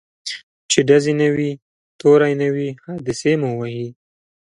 چي ډزي نه وي توری نه وي حادثې مو وهي